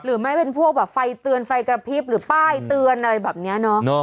หรือไม่เป็นพวกแบบไฟเตือนไฟกระพริบหรือป้ายเตือนอะไรแบบนี้เนาะ